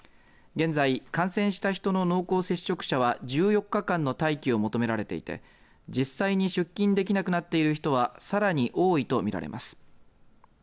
現在、感染した人の濃厚接触者は１４日間の待機を求められていて実際に出勤できなくなっている人はさらに多いとみられます。